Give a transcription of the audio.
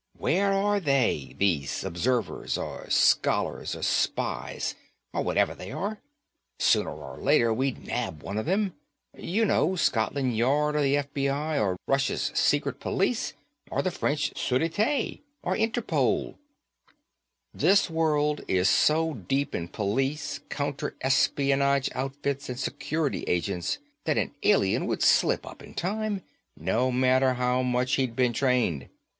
Where are they, these observers, or scholars, or spies or whatever they are? Sooner or later we'd nab one of them. You know, Scotland Yard, or the F.B.I., or Russia's secret police, or the French Sûreté, or Interpol. This world is so deep in police, counter espionage outfits and security agents that an alien would slip up in time, no matter how much he'd been trained.